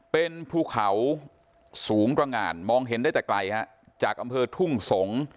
เป็นภูเขาสูงตรงานมองเห็นได้แต่ไกลฮะจากอำเภอทุ่งสงศ์